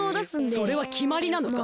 それはきまりなのか？